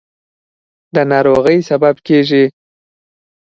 د ناروغۍ سبب کېږي.